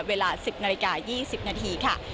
เวลา๑๐นาฬิกา๒๐นาทีค่ะ